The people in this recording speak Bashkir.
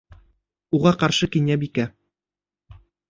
Уға ҡаршы Кинйәбикә: